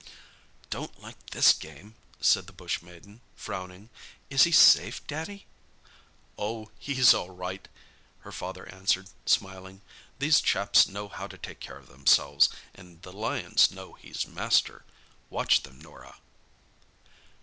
"Don't like this game," said the bush maiden, frowning. "Is he safe, Daddy?" "Oh, he's all right," her father answered, smiling. "These chaps know how to take care of themselves; and the lions know he's master. Watch them Norah."